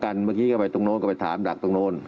ซึงกันและกันเมื่อกี้ก็ไปตรงโน้นก็ไปถามหลักตรงโน้น